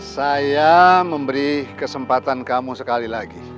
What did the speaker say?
saya memberi kesempatan kamu sekali lagi